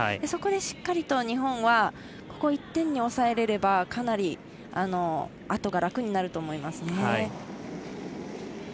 そこでしっかりと日本は１点に抑えれればかなりあとが楽になると思います。